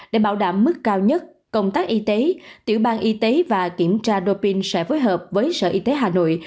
để bảo đảm mức cao nhất công tác y tế tiểu bang y tế và kiểm tra do pin sẽ phối hợp với sở y tế hà nội